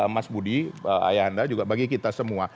mas budi ayah anda juga bagi kita semua